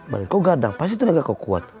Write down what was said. badannya kok gandang pasti tenaga kau kuat